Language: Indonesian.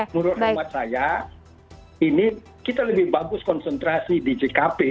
menurut hemat saya ini kita lebih bagus konsentrasi di jkp